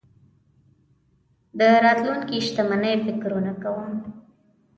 د راتلونکې شتمنۍ فکرونه کوم.